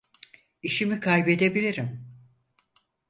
İşimi kaybedebilirim.